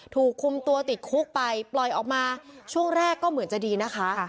ถูกคุมตัวติดคุกไปปล่อยออกมาช่วงแรกก็เหมือนจะดีนะคะ